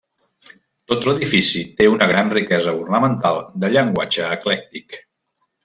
Tot l'edifici té una gran riquesa ornamental de llenguatge eclèctic.